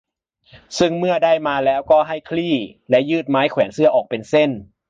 ซึ่งเมื่อได้มาแล้วก็ให้คลี่และยืดไม้แขวนเสื้อออกเป็นเส้น